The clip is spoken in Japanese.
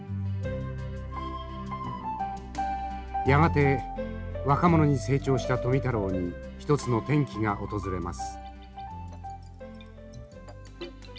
やがて若者に成長した富太郎に一つの転機が訪れます。